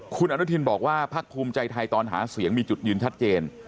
คุณอนุทินบอกว่าพักภูมิใจไทยตอนหาเสียงมีจุดยืนชัดเจน